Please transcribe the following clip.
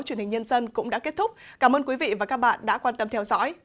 truyền hình nhân dân cũng đã kết thúc cảm ơn quý vị và các bạn đã quan tâm theo dõi